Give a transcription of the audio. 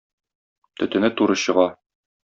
Төтене туры чыга.